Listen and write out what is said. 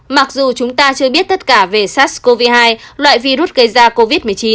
mặc dù chúng ta chưa biết tất cả về sars cov hai loại virus gây ra covid một mươi chín